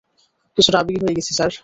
কিছুটা আবেগী হয়ে গেছি, স্যরি।